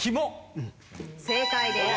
正解です。